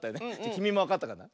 きみもわかったかな？